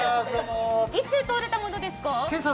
いつとれたものですか？